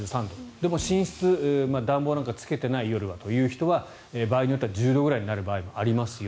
でも寝室暖房なんかつけていない、夜はという人は場合によっては１０度ぐらいになる場合もあると。